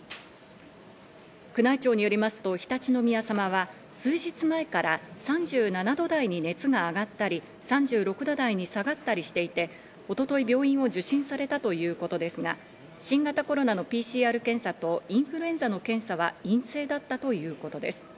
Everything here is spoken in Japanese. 宮内庁によりますと常陸宮さまは数日前から３７度台に熱が上がったり、３６度台に下がったりしていて、一昨日、病院を受診されたということですが、新型コロナのＰＣＲ検査とインフルエンザの検査は陰性だったということです。